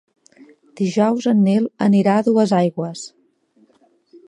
Dijous en Nil anirà a Duesaigües.